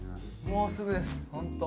もうすぐです本当。